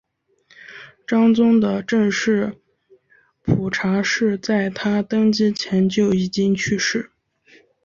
章宗的正室蒲察氏在他登基前就已经去世。